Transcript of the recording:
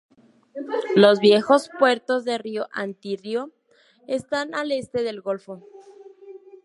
Los viejos puertos de Río-Antírrio están al este del golfo.